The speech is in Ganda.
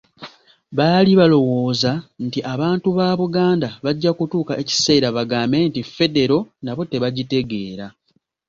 Baali balowooza nti abantu ba Buganda bajja kutuuka ekiseera bagambe nti Federo nabo tebagitegeera.